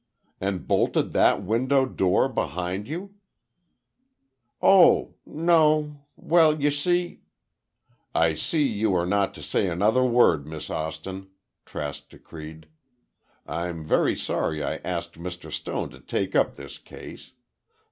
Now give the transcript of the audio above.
"And bolted that window door behind you?" "Oh—no—well, you see—" "I see you are not to say another word, Miss Austin," Trask decreed. "I'm very sorry I asked Mr. Stone to take up this case.